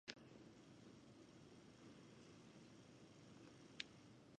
It takes three days for me to go through a can of cream soda.